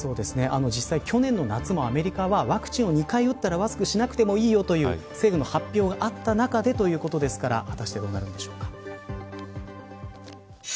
実際、去年の夏もアメリカはワクチンを２回打ったらマスクしなくていいよという政府の発表があった中でということですから果たしてどうなるんでしょうか。